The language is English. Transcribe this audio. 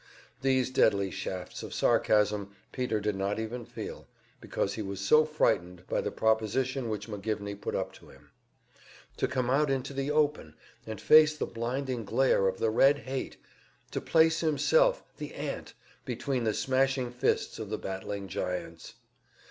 These deadly shafts of sarcasm Peter did not even feel, because he was so frightened by the proposition which McGivney put up to him. To come out into the open and face the blinding glare of the Red hate! To place himself, the ant, between the smashing fists of the battling giants!